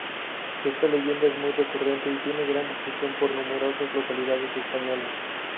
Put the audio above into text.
Esta leyenda es muy recurrente y tiene gran difusión por numerosas localidades españolas.